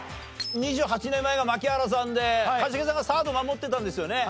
２８年前が槙原さんで一茂さんがサード守ってたんですよね。